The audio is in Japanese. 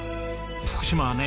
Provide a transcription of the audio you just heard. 福島はね